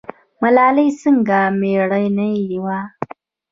ملالۍ څنګه میړنۍ وه؟